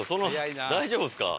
大丈夫ですか？